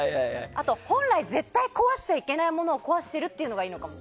あと、本来絶対壊しちゃいけないものを壊しているというのがいいのかも。